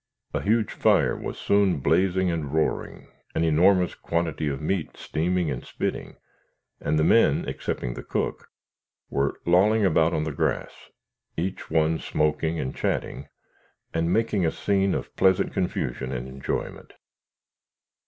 A huge fire was soon blazing and roaring, an enormous quantity of meat steaming and spitting, and the men, excepting the cook, were lolling about on the grass, each one smoking and chatting, and making a scene of pleasant confusion and enjoyment.